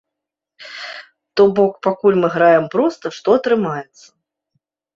То бок, пакуль мы граем проста, што атрымаецца.